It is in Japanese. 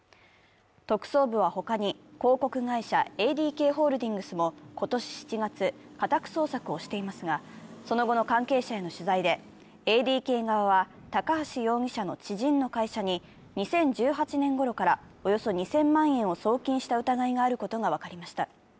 特捜部は、ほかに広告会社ＡＤＫホールディングスも今年７月、家宅捜索をしていますがその後の関係者への取材で、ＡＤＫ側は高橋容疑者の知人の会社に２０１８年ごろからおよそ２０００万円を送金した疑いがあることが分かりました。